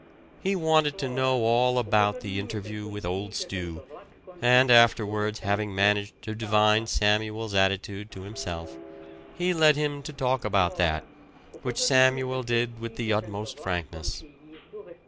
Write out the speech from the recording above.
He wanted to know all about the interview with "Old Stew"; and afterwards, having managed to divine Samuel's attitude to himself, he led him to talk about that, which Samuel did with the utmost frankness.